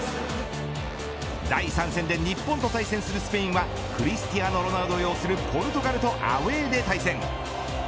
第３戦で日本と対戦するスペインはクリスティアーノ・ロナウドを擁するポルトガルとアウェーで対戦。